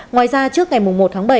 ngoài ra trước ngày một tháng bảy